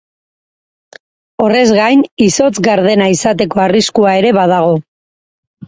Horrez gain, izotz gardena izateko arriskua ere badago.